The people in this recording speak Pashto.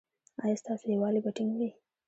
ایا ستاسو یووالي به ټینګ وي؟